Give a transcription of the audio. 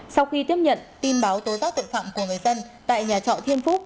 sau khi tiếp nhận tin báo tố giác tội phạm của người dân tại nhà trọ thiên phúc